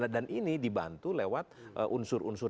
dan ini dibantu lewat unsur unsur